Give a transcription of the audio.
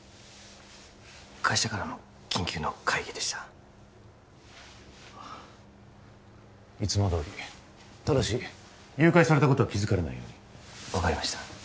会社からの緊急の会議でしたいつもどおりただし誘拐されたことは気づかれないように分かりました